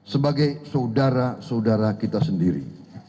sebagai saudara saudara kita sendiri